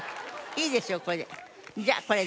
「いいですよこれで」。